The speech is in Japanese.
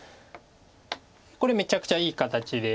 これめちゃくちゃいい形で。